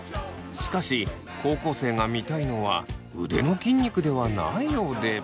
しかし高校生が見たいのは腕の筋肉ではないようで。